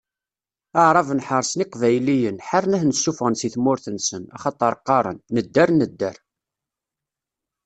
Aɛraben ḥeṛsen Iqbayliyen, ḥaren ad ten-ssufɣen si tmurt-nsen, axaṭer qqaren: Nedder, nedder!